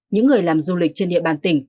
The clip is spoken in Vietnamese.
những người làm du lịch trên địa bàn tỉnh